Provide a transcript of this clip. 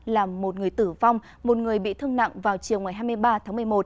làm một người tử vong một người bị thương nặng vào chiều ngày hai mươi ba tháng một mươi một